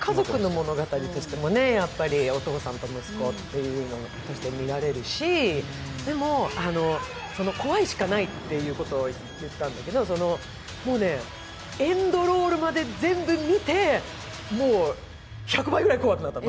家族の物語としても、やっぱりお父さんと息子としても見られるし、怖いしかないということを言ったんだけど、エンドロールまで全部見て、１００倍ぐらい怖くなったの。